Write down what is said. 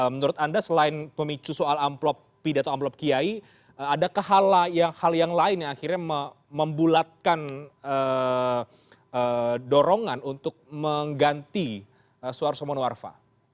menurut anda selain pemicu soal amplop pidato amplop kiai adakah hal yang lain yang akhirnya membulatkan dorongan untuk mengganti soeharto monoarfa